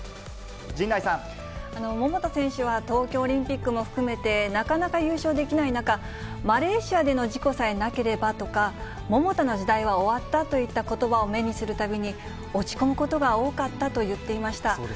桃田選手は東京オリンピックも含めて、なかなか優勝できない中、マレーシアでの事故さえなければとか、桃田の時代は終わったといったことばを目にするたびに、落ち込むことが多かったと言っていました。